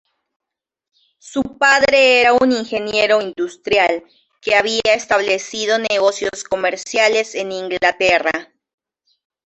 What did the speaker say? Su padre era un ingeniero industrial que había establecido negocios comerciales en Inglaterra.